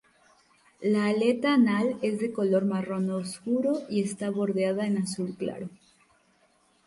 La aleta anal es de color marrón oscuro y está bordeada en azul claro.